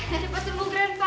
dari pas cembuh grandpa